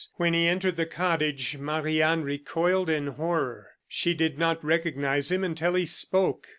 When he entered the cottage, Marie Anne recoiled in horror. She did not recognize him until he spoke.